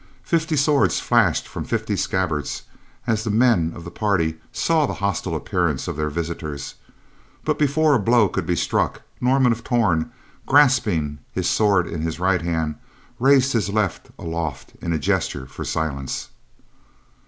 Fifty swords flashed from fifty scabbards as the men of the party saw the hostile appearance of their visitors, but before a blow could be struck, Norman of Torn, grasping his sword in his right hand, raised his left aloft in a gesture for silence.